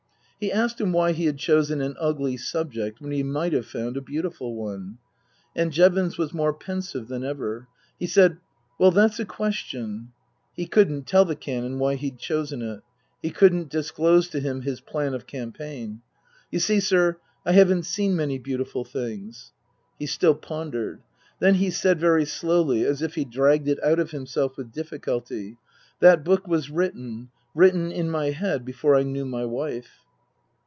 He asked him why he had chosen an ugly subject when he might have found a beautiful one ? And Jevons was more pensive than ever. He said, " Well that's a question He couldn't tell the Canon why he'd chosen it. He couldn't disclose to him his plan of campaign. " You see, sir, I haven't seen many beautiful things." He still pondered. Then he said, very slowly, as if he dragged it out of himself with difficulty, " That book was written written in my head before I knew my wife."